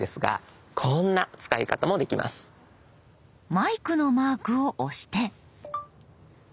マイクのマークを押して。